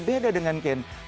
beda dengan kane